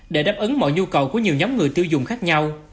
để đáp ứng mọi nhu cầu của nhiều nhóm người tiêu dùng khác nhau